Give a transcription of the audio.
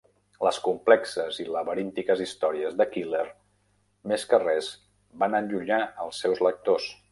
Les complexes i laberíntiques històries de Keeler, més que res, van allunyar als seus lectors.